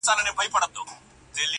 دې يوه لمن ښكلا په غېږ كي ايښې ده.